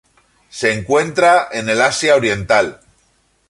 Se encuentra en el Asia Oriental.